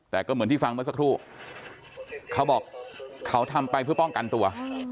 แต่ก็เหมือนที่ฟังเมื่อสักครู่เขาบอกเขาทำไปเพื่อป้องกันตัว